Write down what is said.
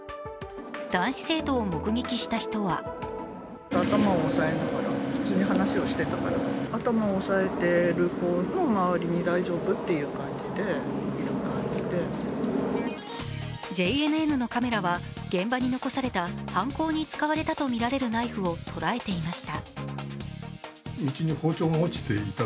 男子生徒を目撃した人はＪＮＮのカメラは、現場に残された犯行に使われたとみられるナイフを捉えていました。